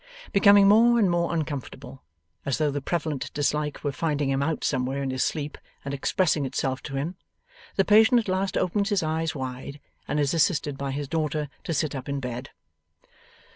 Becoming more and more uncomfortable, as though the prevalent dislike were finding him out somewhere in his sleep and expressing itself to him, the patient at last opens his eyes wide, and is assisted by his daughter to sit up in bed.